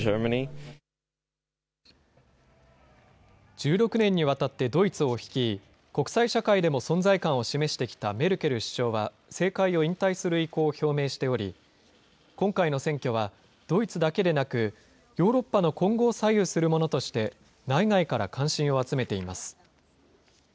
１６年にわたってドイツを率い、国際社会でも存在感を示してきたメルケル首相は政界を引退する意向を表明しており、今回の選挙は、ドイツだけでなく、ヨーロッパの今後を左右するものとして、内外から関心を集めています。